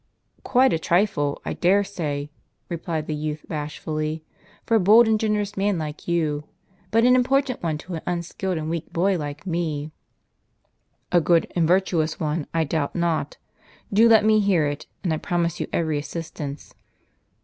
"" Quite a trifle, I dare say," replied the youth, bashfully, "for a bold and generous man like you ; but an important one to an unskilful and weak boy like me." " A good and virtuous one, I doubt not ; do let me hear it ; and I promise you every assistance."